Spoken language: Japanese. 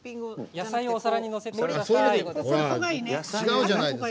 野菜をお皿にのせてください。